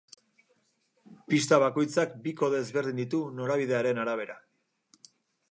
Pista bakoitzak bi kode ezberdin ditu norabidearen arabera.